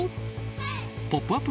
「ポップＵＰ！」